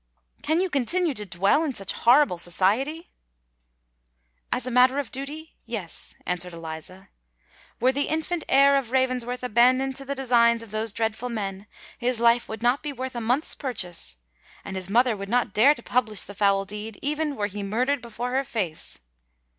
Can you continue to dwell in such horrible society?" "As a matter of duty—yes," answered Eliza. "Were the infant heir of Ravensworth abandoned to the designs of those dreadful men, his life would not be worth a month's purchase; and his mother would not dare to publish the foul deed, even were he murdered before her face!"